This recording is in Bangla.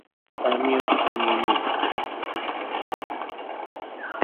আমিও শুনি নি।